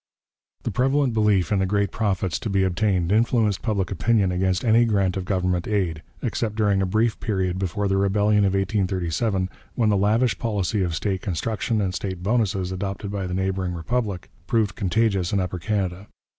The prevalent belief in the great profits to be obtained influenced public opinion against any grant of government aid, except during a brief period before the Rebellion of 1837, when the lavish policy of state construction and state bonuses adopted by the neighbouring republic proved contagious in Upper Canada.